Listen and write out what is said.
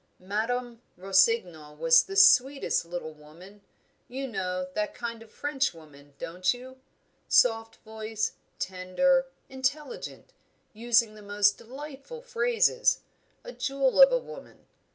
Madame Rossignol was the sweetest little woman you know that kind of Frenchwoman, don't you? Soft voiced, tender, intelligent, using the most delightful phrases; a jewel of a woman.